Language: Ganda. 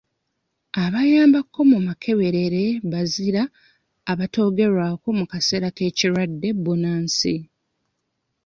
Abayambako mu makeberere bazira abatoogerwako mu mu kaseera k'ekirwadde bbunansi.